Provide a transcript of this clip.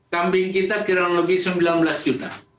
kambing kita kira kira lebih sembilan belas juta